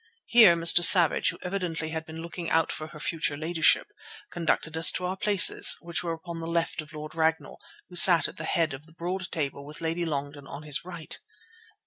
Here Mr. Savage, who evidently had been looking out for her future ladyship, conducted us to our places, which were upon the left of Lord Ragnall, who sat at the head of the broad table with Lady Longden on his right.